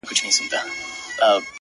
خود به يې اغزی پرهر ـ پرهر جوړ کړي ـ